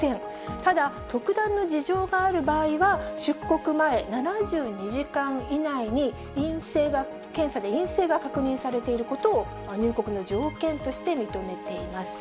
ただ、特段の事情がある場合は、出国前７２時間以内に、検査で陰性が確認されていることを、入国の条件として認めています。